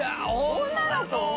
女の子？